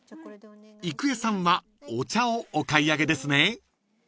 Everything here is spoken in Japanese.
［郁恵さんはお茶をお買い上げですね］